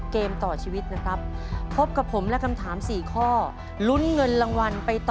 ขอบคุณค่ะ